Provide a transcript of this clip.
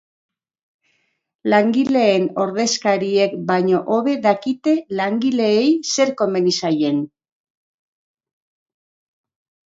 Langileen ordezkariek baino hobe dakite langileei zer komeni zaien.